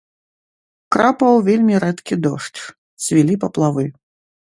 Крапаў вельмі рэдкі дождж, цвілі паплавы.